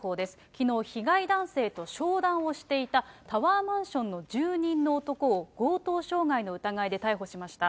きのう、被害男性と商談をしていたタワーマンションの住人の男を強盗傷害の疑いで逮捕しました。